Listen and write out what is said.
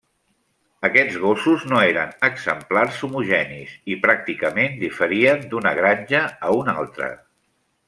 Aquests gossos no eren exemplars homogenis i pràcticament diferien d'una granja a una altra.